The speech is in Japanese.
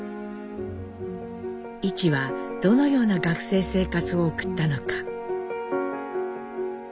一はどのような学生生活を送ったのか。